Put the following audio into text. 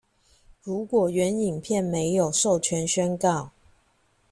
如果原影片沒有授權宣告